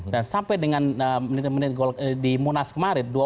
dan sampai dengan menit menit di munas kemarin